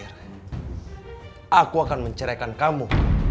aku akan menceraikan kamu